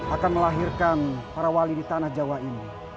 akan melahirkan para wali di tanah jawa ini